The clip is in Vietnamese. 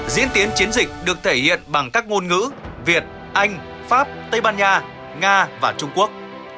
diễn tiến chiến dịch được thể hiện bằng các ngôn ngữ việt anh pháp tây ban nha nga và trung quốc